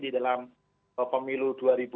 di dalam pemilu dua ribu dua puluh